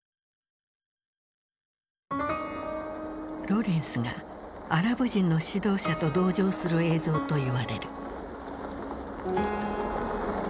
ロレンスがアラブ人の指導者と同乗する映像と言われる。